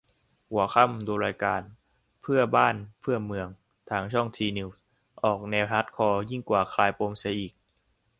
หัวค่ำ ดูรายการ "เพื่อบ้านเพื่อเมือง" ทางช่อง ทีนิวส์ ออกแนวฮาร์ดคอร์ยิ่งกว่า "คลายปม" เสียอีก